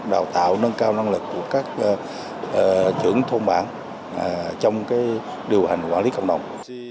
đào tạo nâng cao năng lực của các trưởng thôn bản trong điều hành quản lý cộng đồng